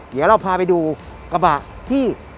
เดี๋ยวเราพาไปดูกระบะที่